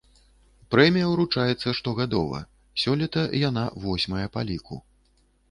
Прэмія ўручаецца штогадова, сёлета яна восьмая па ліку.